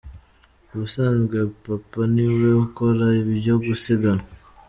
Ubusanzwe papa niwe ukora ibyo gusiganwa.